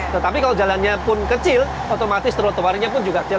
tetapi kalau jalannya pun kecil otomatis trotoarnya pun juga kecil